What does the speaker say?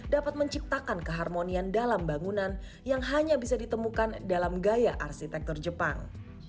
dapat menciptakan keharmonian dalam bangunan yang hanya bisa ditemukan dalam gaya arsitektur jepang